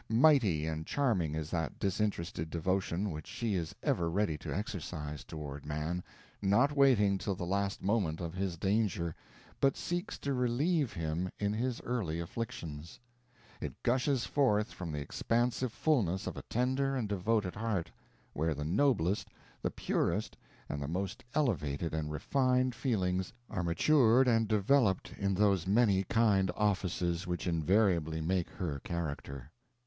Mighty and charming is that disinterested devotion which she is ever ready to exercise toward man, not waiting till the last moment of his danger, but seeks to relieve him in his early afflictions. It gushes forth from the expansive fullness of a tender and devoted heart, where the noblest, the purest, and the most elevated and refined feelings are matured and developed in those many kind offices which invariably make her character.